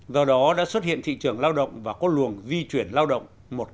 do đó đã xuất hiện thị trường lao động và có luồng di chuyển lao động